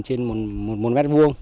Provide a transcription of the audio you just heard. trên một mét vuông